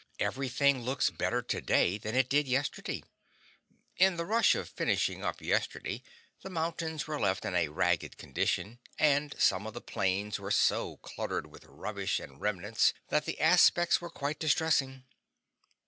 ] Everything looks better today than it did yesterday. In the rush of finishing up yesterday, the mountains were left in a ragged condition, and some of the plains were so cluttered with rubbish and remnants that the aspects were quite distressing.